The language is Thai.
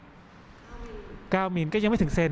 ๙มิลลิเมตรก็ยังไม่ถึงเซน